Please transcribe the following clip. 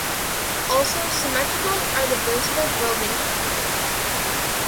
Also symmetrical are the visible building structures.